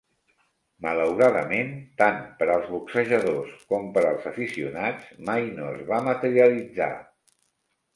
Malauradament tant per als boxejadors com per als aficionats, mai no es va materialitzar.